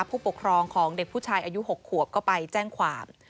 ผู้ปกครองของเด็กผู้ชายอายุ๖ขวบก็ไปแจ้งความ